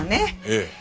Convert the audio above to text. ええ。